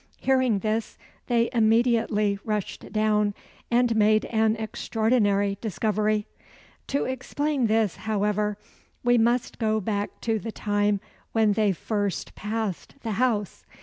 Hearing this, they immediately rushed down, and made an extraordinary discovery. To explain this, however, we must go back to the time when they first passed the house.